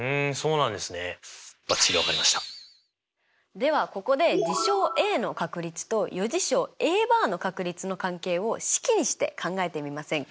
ではここで事象Ａの確率と余事象Ａバーの確率の関係を式にして考えてみませんか？